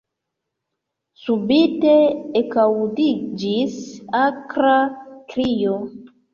Subite ekaŭdiĝis akra krio.